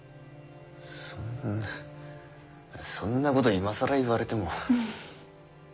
そんなそんなこと今更言われても。